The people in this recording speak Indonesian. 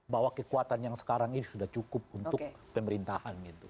bahwa kekuatan yang sekarang ini sudah cukup untuk pemerintahan gitu